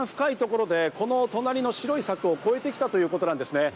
ただ一番深いところで、この隣の白い柵を越えてきたということなんですね。